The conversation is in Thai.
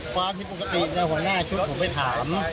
ความผิดปกติหัวหน้าชุดผมไปถาม